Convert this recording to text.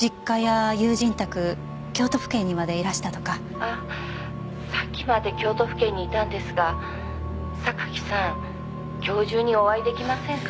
「あさっきまで京都府警にいたんですが榊さん今日中にお会い出来ませんか？」